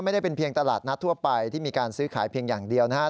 ไม่ได้เป็นเพียงตลาดนัดทั่วไปที่มีการซื้อขายเพียงอย่างเดียวนะครับ